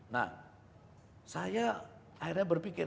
nah saya akhirnya berpikir